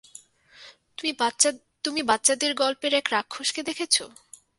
তুমি বাচ্চাদের গল্পের এক রাক্ষসকে দেখেছো?